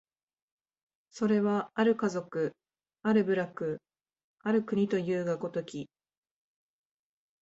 それは或る家族、或る部落、或る国というが如き、